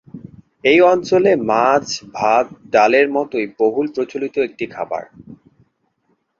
এই অঞ্চলে মাছ-ভাত-ডালের মতই বহুল প্রচলিত একটি খাবার।